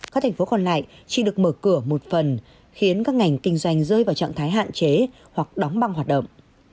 các thành phố còn lại chỉ được mở cửa một phần khiến các ngành kinh doanh rơi vào trạng thái hạn chế hoặc đóng băng hoạt động